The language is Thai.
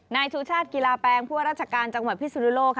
นายชูชาติกีฬาแปลงผู้ราชการจังหวัดพิสุนุโลก